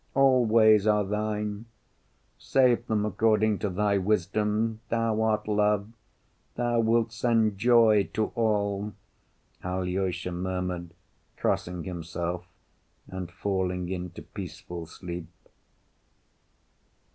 All ways are Thine. Save them according to Thy wisdom. Thou art love. Thou wilt send joy to all!" Alyosha murmured, crossing himself, and falling into peaceful sleep.